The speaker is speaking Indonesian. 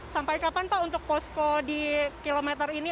sampai kapan pak untuk posko di kilometer ini